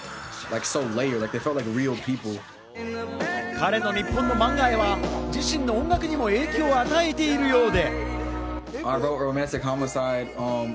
彼の日本の漫画愛は自身の音楽にも影響を与えているようで。